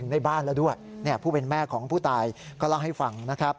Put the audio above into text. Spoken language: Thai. นี่ผู้เป็นแม่ของผู้ตายก็เล่าให้ฟังนะครับ